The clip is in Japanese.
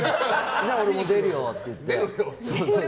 じゃあ俺も出るよって言って。